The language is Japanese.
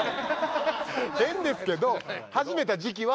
変ですけど始めた時期は。